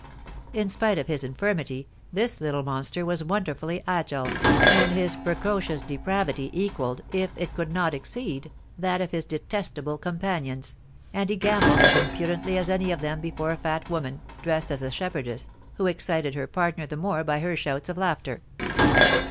In spite of his infirmity, this little monster was wonderfully agile, and his precocious depravity equalled, if it could not exceed, that of his detestable companions, and he gambolled as impudently as any of them before a fat woman, dressed as a shepherdess, who excited her partner the more by her shouts of laughter.